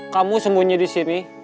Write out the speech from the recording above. kamu sembunyi di sini